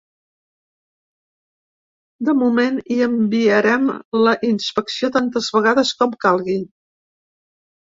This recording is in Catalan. De moment, hi enviarem la inspecció tantes vegades com calgui.